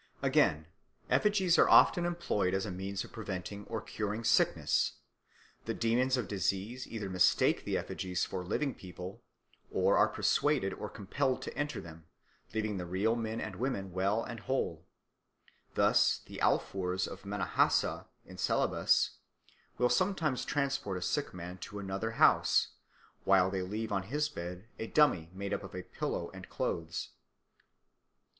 Again, effigies are often employed as a means of preventing or curing sickness; the demons of disease either mistake the effigies for living people or are persuaded or compelled to enter them, leaving the real men and women well and whole. Thus the Alfoors of Minahassa, in Celebes, will sometimes transport a sick man to another house, while they leave on his bed a dummy made up of a pillow and clothes.